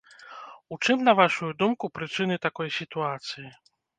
У чым, на вашу думку, прычыны такой сітуацыі?